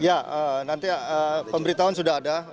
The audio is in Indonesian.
ya nanti pemberitahuan sudah ada